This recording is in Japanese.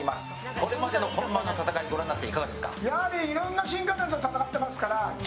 これまでの本間の戦いご覧になっていかがですか？